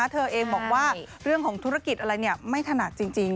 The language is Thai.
เธอเองบอกว่าเรื่องของธุรกิจอะไรไม่ถนัดจริง